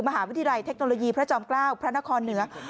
มหาวิทยาลัยเทคโนโลยีพระจอมเกล้าพระนครเหนือ